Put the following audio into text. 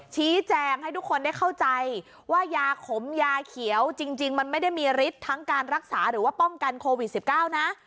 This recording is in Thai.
ชี้แจงให้ทุกคนได้เข้าใจว่ายาขมยาเขียวจริงมันไม่ได้มีฤทธิ์ทั้งการรักษาหรือว่าป้องกันโควิด๑๙นะ